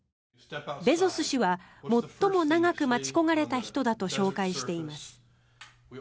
ベゾス氏は最も長く待ち焦がれた人だと紹介しています。